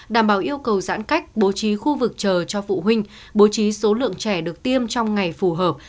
đảm bảo yêu cầu giãn cách bố trí khu vực chờ cho phụ huynh bố trí số lượng trẻ được tiêm trong ngày phù hợp